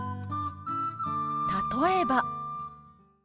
例えば。